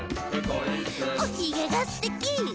「おひげがすてき！」